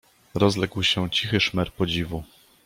"Rozległ się cichy szmer podziwu."